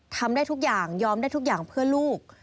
ทำได้ทุกอย่างยอมได้ทุกอย่างเพื่อลูก